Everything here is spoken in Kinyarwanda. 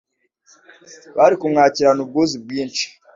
bari kumwakirana ubwuzu bwinshi